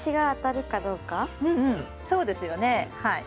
うんうんそうですよねはい。